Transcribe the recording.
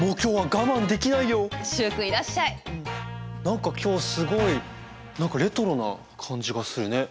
何か今日すごい何かレトロな感じがするね。